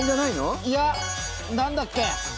いや、なんだっけ。